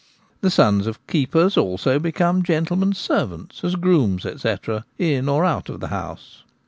The sons of keepers also become gentlemen's servants, as grooms, &c, in or out of the house.